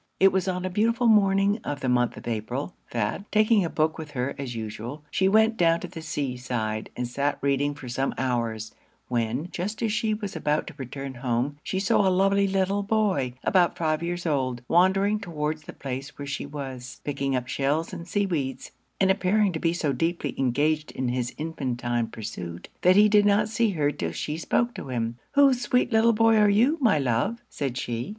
It was on a beautiful morning of the month of April, that, taking a book with her as usual, she went down to the sea side, and sat reading for some hours; when, just as she was about to return home, she saw a lovely little boy, about five years old, wandering towards the place where she was, picking up shells and sea weeds, and appearing to be so deeply engaged in his infantine pursuit, that he did not see her 'till she spoke to him. 'Whose sweet little boy are you, my love?' said she.